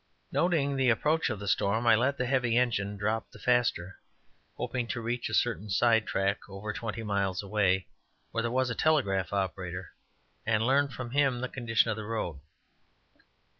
Noting the approach of the storm, I let the heavy engine drop the faster, hoping to reach a certain sidetrack, over twenty miles away, where there was a telegraph operator, and learn from him the condition of the road.